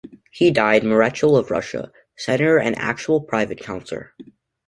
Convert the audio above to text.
He died Marechal of Russia, senator and actual private counsellor.